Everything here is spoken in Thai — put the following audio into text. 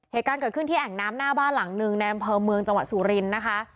เหตุการณ์เกิดขึ้นที่แอ่งน้ำหน้าบ้านหลังหนึ่งในอำเภอเมืองจังหวัดสุรินทร์นะคะ